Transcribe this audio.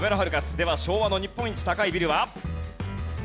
では昭和の日本一高いビルは？